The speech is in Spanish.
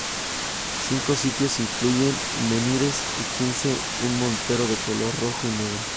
Cinco sitios incluyen menhires y quince un mortero de color rojo y negro.